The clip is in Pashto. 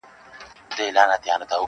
که دي چیري په هنیداري کي سړی و تېرایستلی-